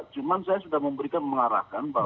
cuma saya sudah memberikan mengarahkan bahwa